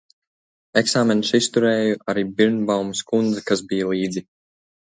Eksāmenus izturēju, arī Birnbaumes kundze, kas bija līdzi.